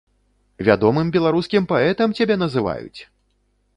Вядомым беларускім паэтам цябе называюць!